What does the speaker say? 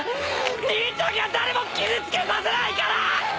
兄ちゃんが誰も傷つけさせないから！